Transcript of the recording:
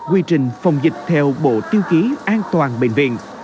quy trình phòng dịch theo bộ tiêu chí an toàn bệnh viện